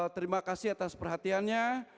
terima kasih atas perhatiannya